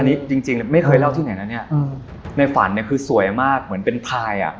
อันนี้จริงจริงไม่เคยเล่าที่ไหนนะเนี่ยในฝันเนี่ยคือสวยมากเหมือนเป็นพายอ่ะ